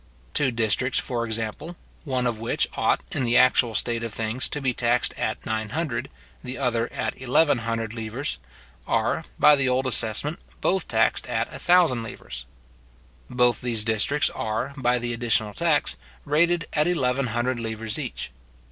Two districts, for example, one of which ought, in the actual state of things, to be taxed at nine hundred, the other at eleven hundred livres, are, by the old assessment, both taxed at a thousand livres. Both these districts are, by the additional tax, rated at eleven hundred livres each.